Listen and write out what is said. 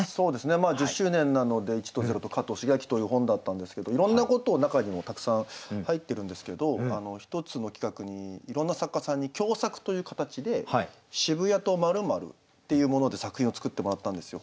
まあ１０周年なので「１と０と加藤シゲアキ」という本だったんですけどいろんなこと中にもたくさん入ってるんですけど一つの企画にいろんな作家さんに共作という形で「渋谷と○○」っていうもので作品を作ってもらったんですよ。